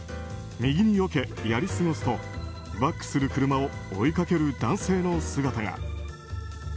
右によけやり過ごすとバックする車を追いかける男性の姿が。